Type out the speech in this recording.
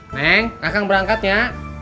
nen gak akan berangkat ya